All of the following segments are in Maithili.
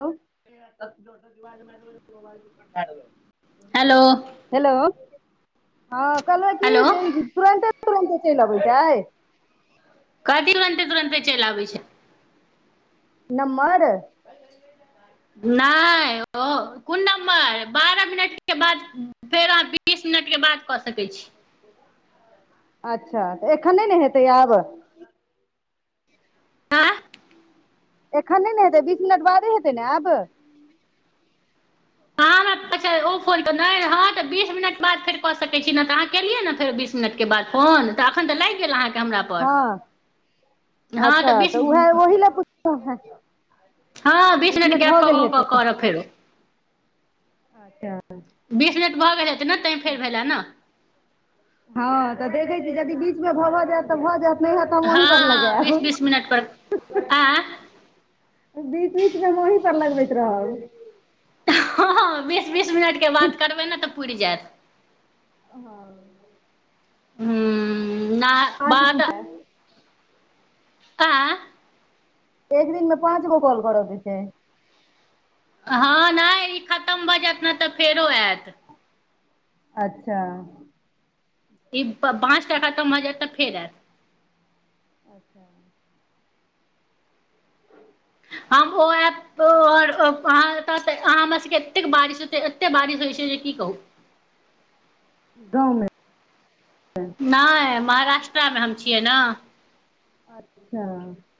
[unintelligible] हेलो हेलो, हँ कहलउंए हेलो की जे ई तुरंते तुरंतेमैसेज आबै छै कहथिनह ने ‌तुरन्ते चलि आबै छै? नम्मर। नई कोन नम्बर बारह मिनट के बाद फेर अहाँ के बीस मिनटके बाद कऽ सकै छी अच्छा, तऽ एखन नहि ने हेतै आब? आँ एखन नई ने हेतै बीस मिनट के बादे हेतै ने आब? अहाँ हमरा [inaudible] अच्छा ओ फोन हॅं तऽ बीस मिनट बाद फेर कऽ सकै छी न त अहॉं केलियई ने फेर बीस बिसनट के बाद फोन त अखन त लाईग गेल अहॉं--के हँ, हँ अच्छा बीस तऽ उहे ओहि लए पुछलऊ हन हँ, बीस मिनिट गैप कऽ कऽ करब फेरो। अच्छा। बीस मिनट भऽ गेले हेतै ने तईं फेर भेलै न हँ तऽ देखै छी यदि बीच मे भऽ भऽ जैत त भऽ जैत नहि हैंत त हम अहीं पर हँ लगैब। बीस ह बीस मिनट पर आँय हं। बीच बीच मे हम अहीं पर लगबैत रहब। हँ बीस बीस मिनटके बाद करबै ने तऽ पुरि जायत हं। हुम्म ना अच्छा ठीैक है। का एक दिन मे पाँच गो कॉल करैके छै। हँ, नहि ई खतम भऽ जैत ने तऽ फेरो ऐत। अच्छा। ई पाँच टा खतम भ जैत तऽ फेरत ऐत। [unintelligible] अच्छा। [unintelligible] हमु अइब। [unintelligible] आओर अहाँ ओतय तऽ हमरा सबके एते बारिश होयत अछि से होइ छै जे की कहू। [unintelligible] गाव मे। [unintelligible] नहि महाराष्ट्रामे हम छियै न अच्छा। [unintelligible]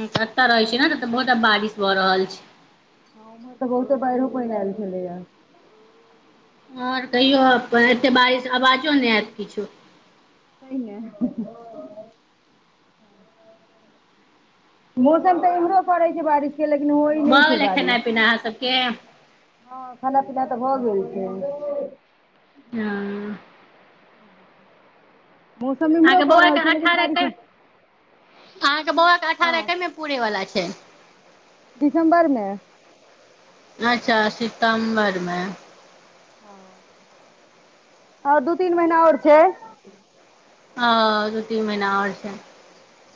ह कतऽ रहै छिय न, बहुते बारिश भऽ रहल छै। गाव केउम्हर तऽ बहुते बाढ़ि पानि अयल छलैय या। [unintelligible] हं तयो एएते बारिश आवाजो नहि आयत किछु। [unintelligible] पहिने। [unintelligible] मौसम तऽ इम्हरो पड़ै छै, बारिश के लेकिन होइ नहि भऽ छै गेलै बारिश। खेनाइ पिनाइ अहाँ सबके [unintelligible] हँ खाना पीना तऽ भऽ गेल छै हँ। [unintelligible] हूँ हूँ हूँ। [unintelligible] अहाँके बौआके हँ अठारहकहिया पूरैय वला छय। दिसम्बरमे। अच्छा सितम्बर मे हँ आओ दू तीन महिना आओर छै। ह दू तीन महिना आओर छै।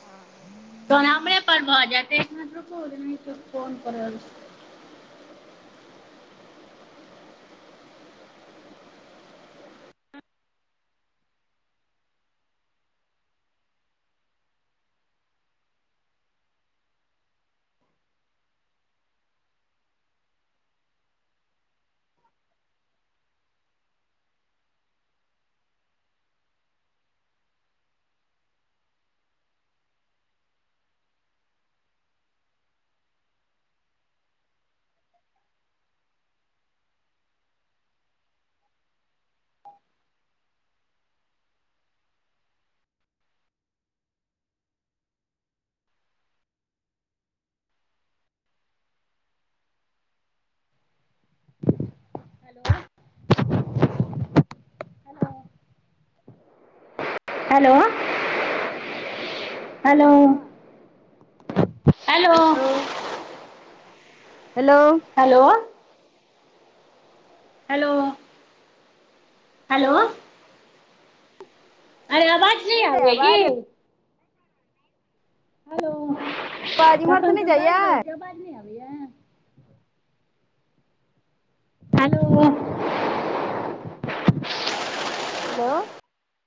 हँ। [unintelligible] पर भऽ जाइते एक मिनट रुकु एक [unintelligible] केँ फोन कऽ रहल छी। [inaudible] हेलो? [unintelligible] हँ hello hello? Hello [unintelligible] hello? Hello? Hello? Hello? अरे आवाज नहि नय जाय आबैये की आबाज। हेलो आवाज इम्हर से तखन स नहि हम बाजि जाइया रहल छिय आवाज नय आबैय हेलो? हेलो?